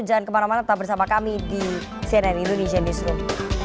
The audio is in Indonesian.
jangan kemana mana tetap bersama kami di cnn indonesia newsroom